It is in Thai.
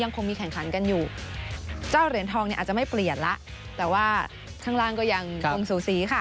ตอนนี้อันดับเหรียญทองนับที่๑เป็นกรุงเทพมหานคร